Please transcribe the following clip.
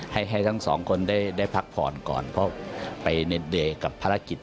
ให้ทั้งสองคนได้พักผ่อนก่อนเพราะไปเน็ตเดย์กับภารกิจ